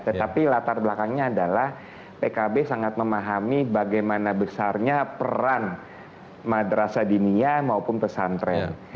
tetapi latar belakangnya adalah pkb sangat memahami bagaimana besarnya peran madrasah dinia maupun pesantren